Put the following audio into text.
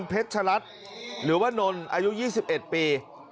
เพชรรัฐหรือว่านนนอายุยี่สิบเอ็ดปี